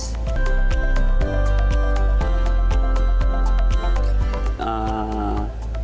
masker yang diperlukan untuk memperbaiki riasan